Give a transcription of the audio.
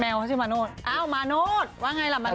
แมวเขาชื่อมาโนต